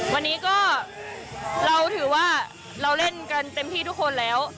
วันนี้ก็เราถือว่าเราเล่นกันเต็มที่ทุกคนแล้ว